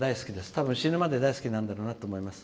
多分、死ぬまで大好きなんだろうなって思います。